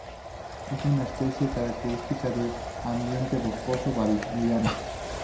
Es una especie característica del ambiente boscoso valdiviano.